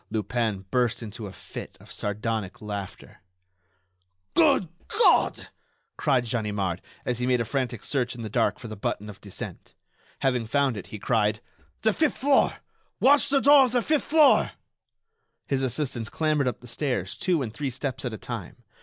Lupin burst into a fit of sardonic laughter. "Good God!" cried Ganimard, as he made a frantic search in the dark for the button of descent. Having found it, he cried: "The fifth floor! Watch the door of the fifth floor." His assistants clambered up the stairs, two and three steps at a time.